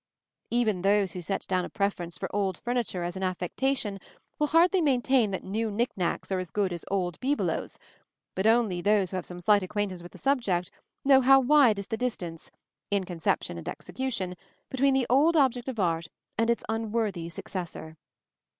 Even those who set down a preference for old furniture as an affectation will hardly maintain that new knick knacks are as good as old bibelots; but only those who have some slight acquaintance with the subject know how wide is the distance, in conception and execution, between the old object of art and its unworthy successor.